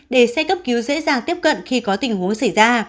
để xe cấp cứu dễ dàng tiếp cận khi có tình huống xảy ra